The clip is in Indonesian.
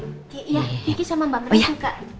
iya kiki sama mbak menunggu kak